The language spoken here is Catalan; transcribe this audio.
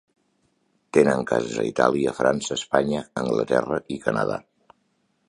Tenen cases a Itàlia, França, Espanya, Anglaterra i Canadà.